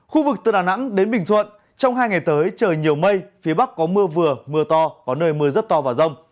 khu vực từ đà nẵng đến bình thuận trong hai ngày tới trời nhiều mây phía bắc có mưa vừa mưa to có nơi mưa rất to và rông